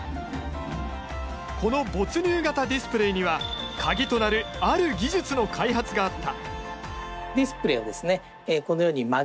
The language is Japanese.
この没入型ディスプレーには鍵となるある技術の開発があった。